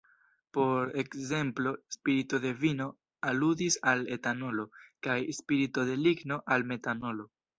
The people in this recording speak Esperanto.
Por ekzemplo "spirito de vino" aludis al etanolo, kaj "spirito de ligno" al metanolo.